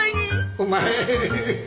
お前。